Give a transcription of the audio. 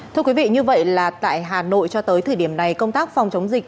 thưa quý vị như vậy là tại hà nội cho tới thời điểm này công tác phòng chống dịch